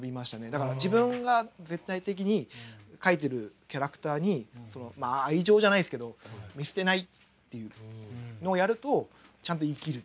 だから自分が絶対的に描いてるキャラクターにまあ愛情じゃないですけど見捨てないっていうのをやるとちゃんと生きる。